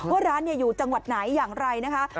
ว่าร้านอยู่จังหวัดไหนอย่างไรนะคะ